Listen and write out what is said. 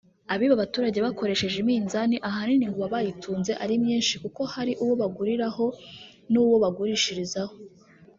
Abiba abaturage bakoresheje iminzani ahanini ngo baba bayitunze ari myinshi kuko hari uwo baguriraho n’uwo bagurishirizaho